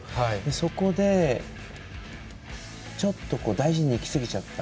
そこで、ちょっと大事にいきすぎちゃった。